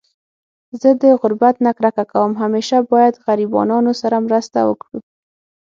زه د غربت نه کرکه کوم .همیشه باید غریبانانو سره مرسته وکړو